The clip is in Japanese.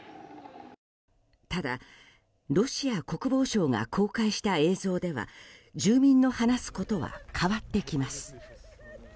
ただ、ロシア国防省が公開した映像では住民の話すことは変わってきます。